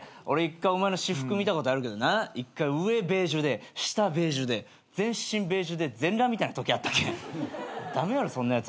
俺一回お前の私服見たことあるけどな一回上ベージュで下ベージュで全身ベージュで全裸みたいなときあったけん。